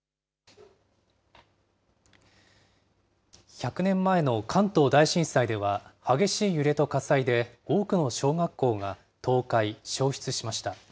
１００年前の関東大震災では、激しい揺れと火災で多くの小学校が倒壊、焼失しました。